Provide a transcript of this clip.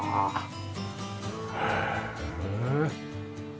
へえ。